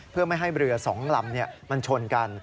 เพื่อไม่ให้เรือ๒ลำมันชนกัน